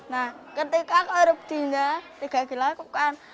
nah ketika korupsinya tidak dilakukan